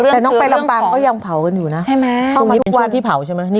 แต่น้องไปรำปังก็ยังเผากันอยู่นะ